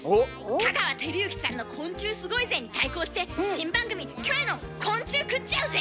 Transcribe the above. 香川照之さんの「昆虫すごいぜ！」に対抗して新番組「キョエの昆虫食っちゃうぜ！」。